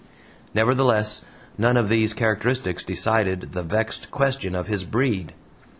Nevertheless, none of these characteristics decided the vexed question of his BREED.